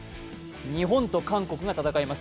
日本と韓国が戦います。